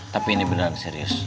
tapi ini beneran serius